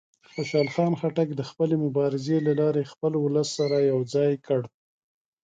خوشحال خان خټک د خپلې مبارزې له لارې خپل ولس سره یو ځای کړ.